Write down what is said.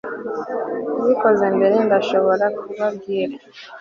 wabikoze mbere, ndashobora kubabwira